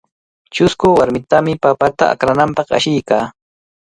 Chusku warmitami papata akrananpaq ashiykaa.